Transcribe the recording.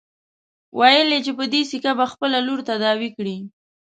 ويل يې چې په دې سيکه به خپله لور تداوي کړي.